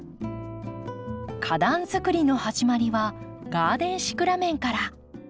花壇づくりの始まりはガーデンシクラメンから。